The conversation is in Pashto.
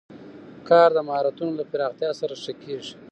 کار د مهارتونو له پراختیا سره ښه کېږي